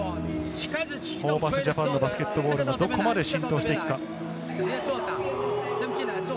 ホーバスＪＡＰＡＮのバスケットボールはどこまで浸透していくか？